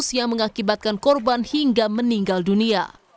sementara itu pihak dinas pendidikan provinsi sumatra utara juga menyayangkan tindakan pemirsa